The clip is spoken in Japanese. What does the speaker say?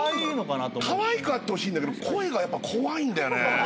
かわいくあってほしいんだけど声が怖いんだよね。